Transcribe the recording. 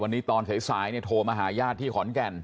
วันนี้ตอนเลยเขาโทรมาหาย่าที่ของจริง